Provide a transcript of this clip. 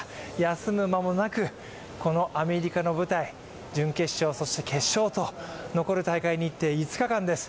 休む間もなくこのアメリカの舞台準決勝、そして決勝と、残る大会日程、５日間です。